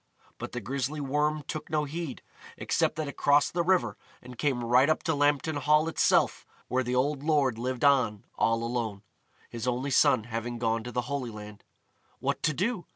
But the grisly Worm took no heed, except that it crossed the river and came right up to Lambton Hall itself where the old lord lived on all alone, his only son having gone to the Holy Land. What to do?